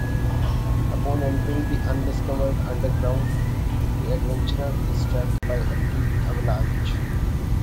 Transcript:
Upon entering the Undiscovered Underground, the adventurer is trapped by a freak avalanche.